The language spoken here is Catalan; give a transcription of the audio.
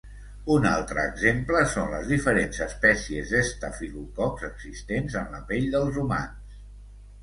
Un altre exemple són les diferents espècies d'estafilococs existents en la pell dels humans.